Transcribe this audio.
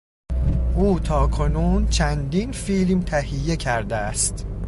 او تاکنون چندین فیلم تهیه کرده است.